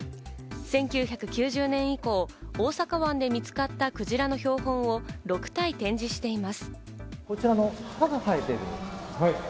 １９９０年以降、大阪湾で見つかったクジラの標本を６体展示しています。